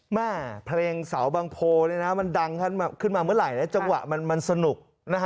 แม่เพลงเสาบางโพมันดังขึ้นมาเมื่อไหร่นะจังหวะมันสนุกนะฮะ